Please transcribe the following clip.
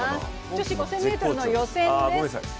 女子５０００ｍの予選です。